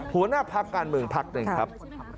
หัวหน้าพักการเมืองพักหนึ่งครับ